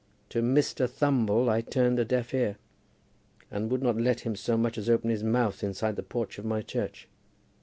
To Mr. Thumble I turned a deaf ear, and would not let him so much as open his mouth inside the porch of my church.